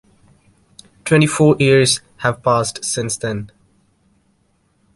Twenty-four years have passed since then.